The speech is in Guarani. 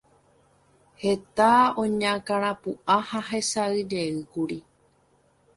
Tuicha oñakãrapu'ã ha hesãijeýkuri.